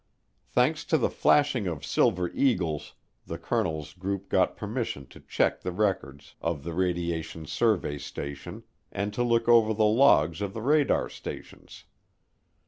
Thanks to the flashing of silver eagles, the colonel's group got permission to check the records of the radiation survey station and to look over the logs of the radar stations.